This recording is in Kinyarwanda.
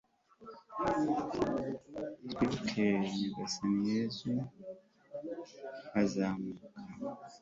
twibuke nyagasani yezu, azamuka